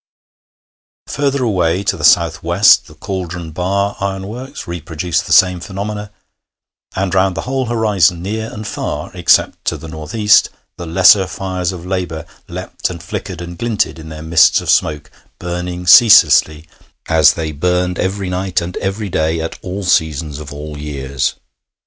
Further away to the south west the Cauldon Bar Ironworks reproduced the same phenomena, and round the whole horizon, near and far, except to the north east, the lesser fires of labour leapt and flickered and glinted in their mists of smoke, burning ceaselessly, as they burned every night and every day at all seasons of all years.